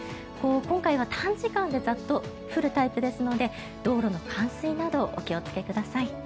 今回は短時間でザッと降るタイプですので道路の冠水などお気をつけください。